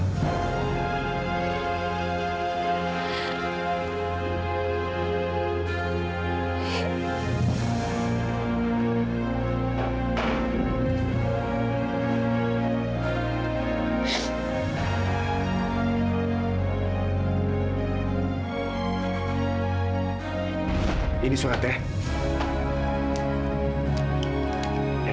eh ini sukatnya